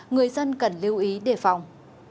người dân cần lưu ý đề phòng